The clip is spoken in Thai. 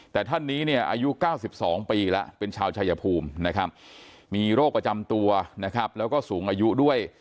แต่ท่านนี้เนี่ยอายุ๙๒ปีแล้วเป็นชาวชายภูมินะครับมีโรคประจำตัวนะครับแล้วก็สูงอายุด้วย